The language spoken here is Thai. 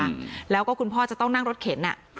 แล้วก็คุณพ่อจะต้องนั่งรถเข็น